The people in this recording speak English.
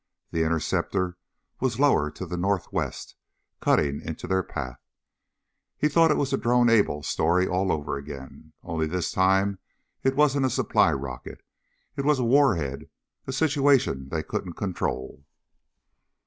The interceptor was lower to the northwest, cutting into their path. He thought it was the Drone Able story all over again. Only this time it wasn't a supply rocket. It was a warhead, a situation they couldn't control.